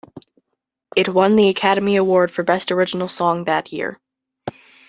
It won the Academy Award for Best Original Song that year.